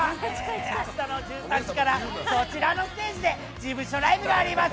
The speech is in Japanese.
明日の１３時からこちらのステージで事務所ライブがあります。